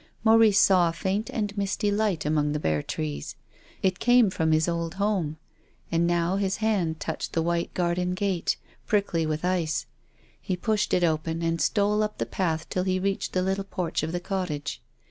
Maurice saw a faint and misty light among the bare trees. It came from his old home, and now his hand touched the white garden gate, prickly with ice. He pushed it open and stole up the path till he reached the little porch of the cottage.